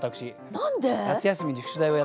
何で？